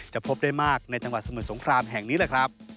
พบได้มากในจังหวัดสมุทรสงครามแห่งนี้แหละครับ